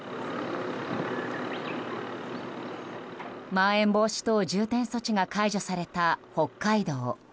まん延防止等重点措置が解除された北海道。